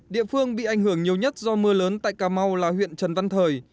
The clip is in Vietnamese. địa phương bị ảnh hưởng nhiều nhất do mưa lớn tại cà mau là huyện trần văn thời